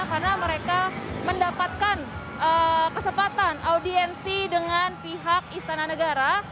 karena mereka mendapatkan kesempatan audiensi dengan pihak istana negara